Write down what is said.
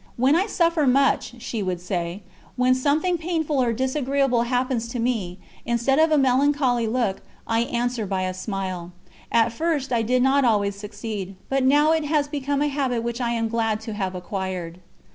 "When I suffer much," she would say, "when something painful or disagreeable happens to me, instead of a melancholy look, I answer by a smile. At first I did not always succeed, but now it has become a habit which I am glad to have acquired."